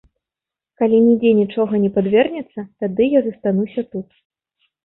Калі нідзе нічога не падвернецца, тады я застануся тут.